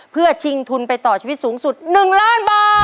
เพื่อชิงทุนไปต่อชีวิตสูงสุด๑ล้านบาท